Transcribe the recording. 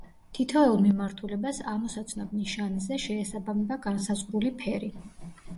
თითოეულ მიმართულებას ამოსაცნობ ნიშანზე შეესაბამება განსაზღვრული ფერი.